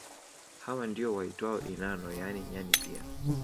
Hawa ndio waitwao inano yaani nyani pia